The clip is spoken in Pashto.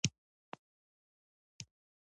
حالات عادي شوي دي.